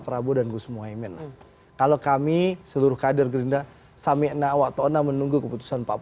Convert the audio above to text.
prabowo dan gus muhaymin kalau kami seluruh kader gerindra samikna watona menunggu keputusan pak